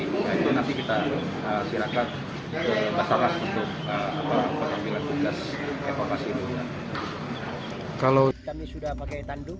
nah itu nanti kita sirakan ke basaras untuk pemilihan tugas evakuasi itu